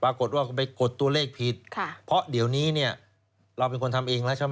ปรากฏว่าไปกดตัวเลขผิดค่ะเพราะเดี๋ยวนี้เนี่ยเราเป็นคนทำเองแล้วใช่ไหม